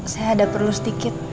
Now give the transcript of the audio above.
saya ada perlu sedikit